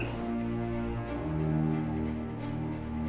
dan putra keduamu